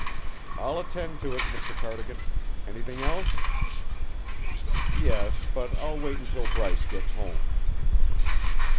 "I'll attend to it, Mr Cardigan. Anything else?" "Yes, but I'll wait until Bryce gets home."